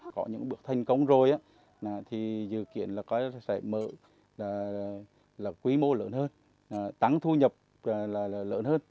có những bước thành công rồi thì dự kiện sẽ mở là quý mô lớn hơn tăng thu nhập là lớn hơn